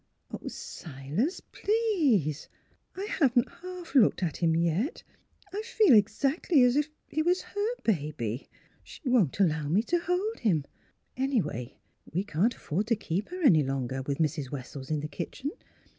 " Oh, Silas, please I haven't half looked at him yet. I feel exactly as if he was her baby. She won't allow me to hold him. ... Anyway, we can't afford to keep her any longer, with Mrs. Wessells in the kitchen.